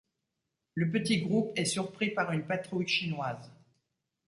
Le petit groupe est surpris par une patrouille chinoise.